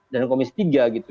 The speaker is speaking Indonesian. dan komisi tiga gitu